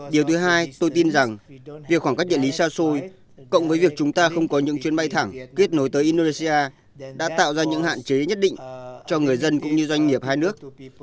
điều thứ hai tôi tin rằng việc khoảng cách địa lý xa xôi cộng với việc chúng ta không có những chuyến bay thẳng kết nối tới indonesia đã tạo ra những hạn chế nhất định cho người dân cũng như doanh nghiệp hai nước